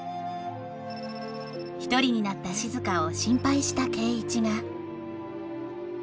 １人になった静を心配した圭一がはい！